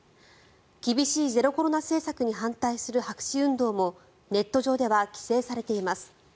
厳しいゼロコロナ政策に反対する白紙運動もネット上では規制されています。